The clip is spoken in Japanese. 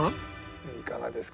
「いかがですか？